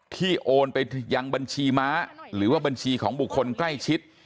โอนไปยังบัญชีม้าหรือว่าบัญชีของบุคคลใกล้ชิด